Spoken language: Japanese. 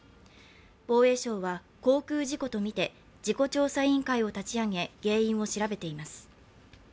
防衛省は航空事故とみて、事故調査委員会を立ち上げ、原因を調べています。